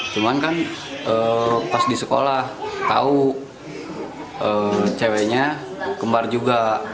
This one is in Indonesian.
cuman kan pas di sekolah tahu ceweknya kembar juga